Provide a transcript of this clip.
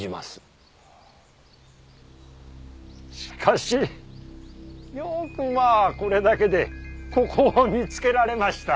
しかしよくまあこれだけでここを見つけられました。